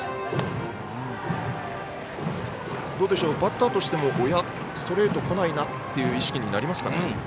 どうでしょう、バッターとしてもストレートが来ないなという意識になりますかね。